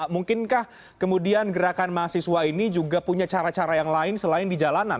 mungkinkah kemudian gerakan mahasiswa ini juga punya cara cara yang lain selain di jalanan